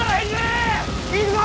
行くぞ！